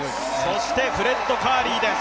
そしてフレッド・カーリーです